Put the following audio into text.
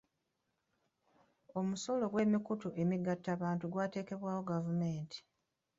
Omusolo gw'emikutu emigattabantu gwateekebwawo gavumenti.